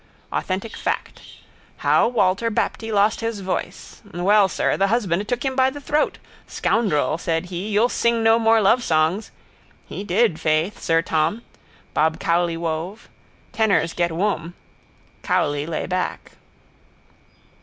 Authentic fact. How Walter Bapty lost his voice. Well, sir, the husband took him by the throat. Scoundrel, said he, You'll sing no more lovesongs. He did, faith, sir Tom. Bob Cowley wove. Tenors get wom. Cowley lay back.